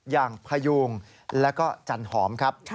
อย่างพยูงแล้วก็จันหอมครับ